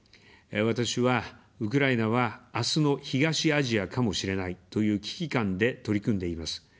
私は「ウクライナは、あすの東アジアかもしれない」という危機感で取り組んでいます。